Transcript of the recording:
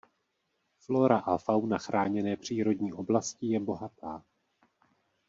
Flora a fauna chráněné přírodní oblasti je bohatá.